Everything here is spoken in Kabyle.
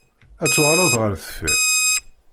Ad tuɣaleḍ ɣer deffir?